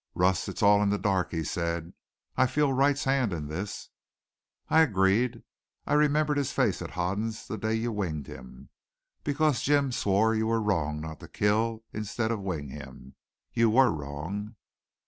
"Russ, it's all in the dark," he said. "I feel Wright's hand in this." I agreed. "I remember his face at Hoden's that day you winged him. Because Jim swore you were wrong not to kill instead of wing him. You were wrong."